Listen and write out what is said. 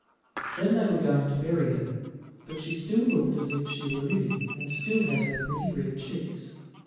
Then they were going to bury her, but she still looked as if she were living, and still had her pretty red cheeks.